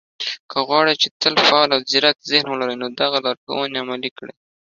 که غواړئ، چې تل فعال او ځيرک ذهن ولرئ، نو دغه لارښوونې عملي کړئ